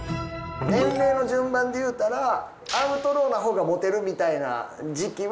年齢の順番で言うたらアウトローな方がモテるみたいな時期はこれです。